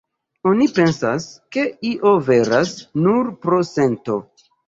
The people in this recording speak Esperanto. Oni pensas, ke io veras, nur pro sento.